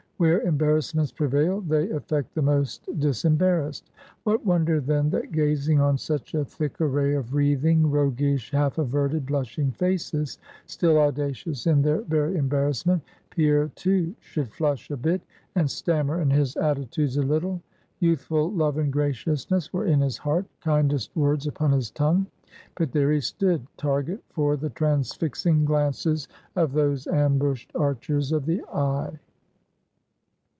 Where embarrassments prevail, they affect the most disembarrassed. What wonder, then, that gazing on such a thick array of wreathing, roguish, half averted, blushing faces still audacious in their very embarrassment Pierre, too, should flush a bit, and stammer in his attitudes a little? Youthful love and graciousness were in his heart; kindest words upon his tongue; but there he stood, target for the transfixing glances of those ambushed archers of the eye.